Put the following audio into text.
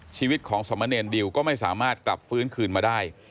ชีวิตของสมเนรดิวก็ไม่สามารถกลับฟื้นคืนมาได้